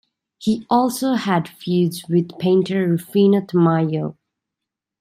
He also had feuds with painter Rufino Tamayo.